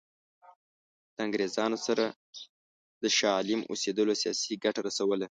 له انګرېزانو سره د شاه عالم اوسېدلو سیاسي ګټه رسوله.